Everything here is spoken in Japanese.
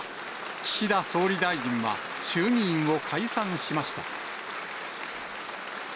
岸田総理大臣は衆議院を解散しました。